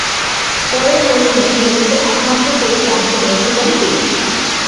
পরের মৌসুমে নিজস্ব একমাত্র টেস্টে অংশ নিয়েছিলেন তিনি।